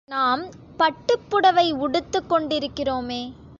நாம் பட்டுப் புடவை உடுத்துக் கொண்டிருக்கிறோமே!